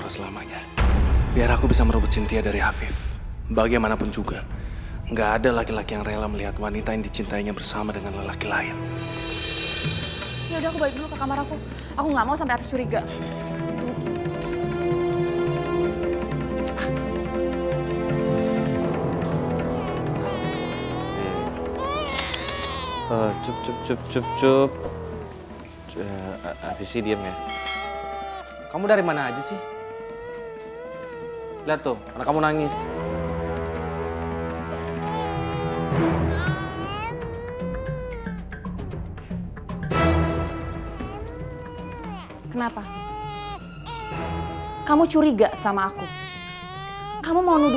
seperti yang bella lakukan